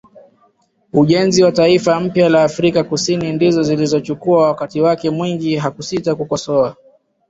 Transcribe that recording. ujenzi wa taifa mpya la Afrika Kusini ndizo zilizochukua wakati wake mwingi hakusita kukosoa